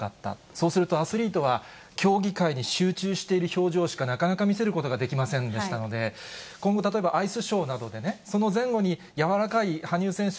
そうすると、アスリートは競技会に集中している表情しかなかなか見せることができませんでしたので、今後、例えば、アイスショーなどでね、その前後に柔らかい、羽生選手